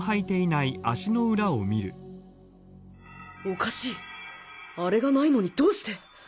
おかしいあれがないのにどうして？